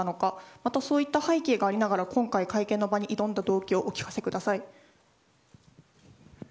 また、そういった背景がありながら今回、会見の場に挑んだ動機をお聞かせください。